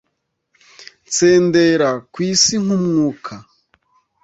nsendera ku isi nk’umwuka.